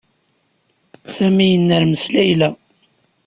Sami yennermes Layla.